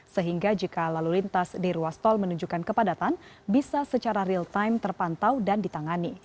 sehingga jika lalu lintas di ruas tol menunjukkan kepadatan bisa secara real time terpantau dan ditangani